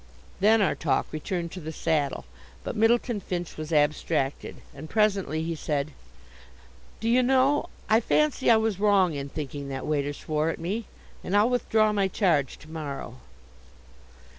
Then our talk returned to the saddle, but Myddleton Finch was abstracted, and presently he said: "Do you know, I fancy I was wrong in thinking that waiter swore at me, and I'll withdraw my charge to morrow."